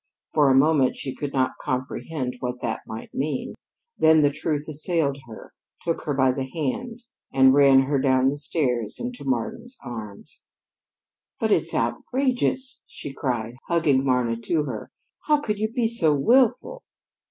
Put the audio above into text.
For a moment she could not comprehend what that might mean; then the truth assailed her, took her by the hand, and ran her down the stairs into Mama's arms. "But it's outrageous," she cried, hugging Marna to her. "How could you be so willful?"